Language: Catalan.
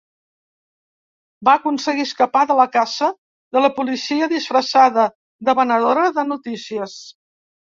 Va aconseguir escapar de la caça de la policia disfressada de venedora de notícies.